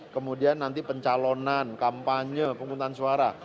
kemudian nanti pencalonan kampanye penghutang suara